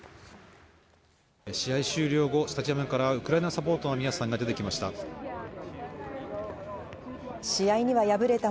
試合終了後、スタジアムからウクライナサポーターの皆さんが出てきました。